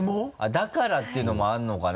だからっていうのもあるのかな？